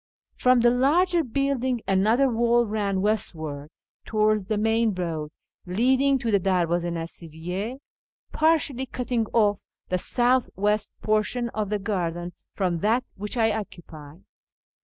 From the larger building another wall ran westwards towards the main road leading to the DerivAz6 i N6jsiriyyi, partially cutting off the south west portion of the garden from that which I occupied.